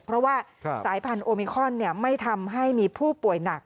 เพราะว่าสายพันธุมิคอนไม่ทำให้มีผู้ป่วยหนัก